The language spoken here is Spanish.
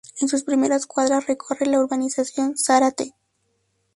En sus primeras cuadras recorre la urbanización Zárate.